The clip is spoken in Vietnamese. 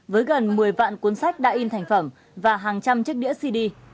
với gần một mươi vạn cuốn sách đã in thành phẩm và hàng trăm chiếc đĩa cd